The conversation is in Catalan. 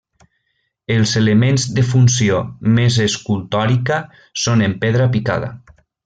Els elements de funció més escultòrica són en pedra picada.